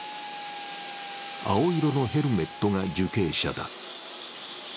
青色のヘルメットが受刑者だ。